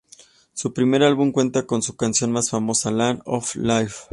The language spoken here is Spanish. Su primer álbum cuenta con su canción más famosa: "Land Of Life".